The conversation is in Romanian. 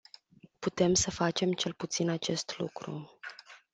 Putem să facem cel puțin acest lucru.